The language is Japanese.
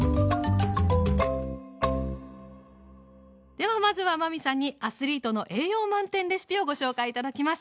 ではまずは真海さんにアスリートの栄養満点レシピをご紹介頂きます。